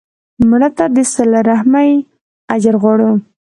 مړه ته د صله رحمي اجر غواړو